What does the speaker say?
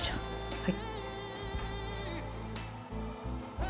はい。